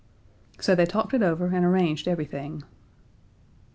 So they talked it over and arranged everything.